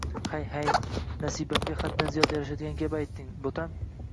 – Hayt-hayt! Nasabimga haddan ziyod yarashadigan gap aytding, bo‘tam